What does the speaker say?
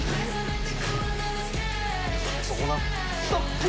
そこな。